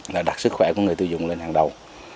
là đặt sức khỏe của người tiêu dùng lên hàng đầu